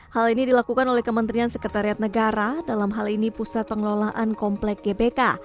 hal ini dilakukan oleh kementerian sekretariat negara dalam hal ini pusat pengelolaan komplek gbk